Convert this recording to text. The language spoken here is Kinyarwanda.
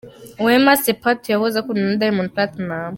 Wema Sepetu yahoze akundana na Diamond Platnumz.